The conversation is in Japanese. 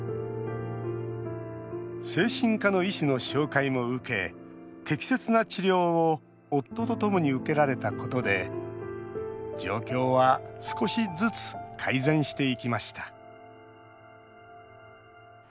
精神科の医師の紹介も受け適切な治療を夫とともに受けられたことで状況は少しずつ改善していきました